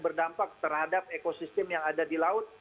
berdampak terhadap ekosistem yang ada di laut